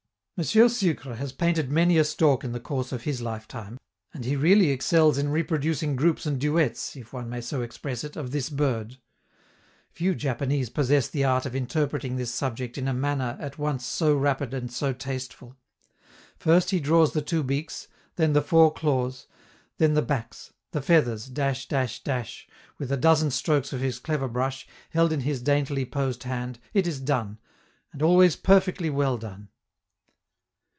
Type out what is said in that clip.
M. Sucre has painted many a stork in the course of his lifetime, and he really excels in reproducing groups and duets, if one may so express it, of this bird. Few Japanese possess the art of interpreting this subject in a manner at once so rapid and so tasteful; first he draws the two beaks, then the four claws, then the backs, the feathers, dash, dash, dash with a dozen strokes of his clever brush, held in his daintily posed hand, it is done, and always perfectly well done!